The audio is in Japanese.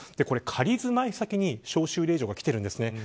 これは仮住まい先に召集令状が来ているんです。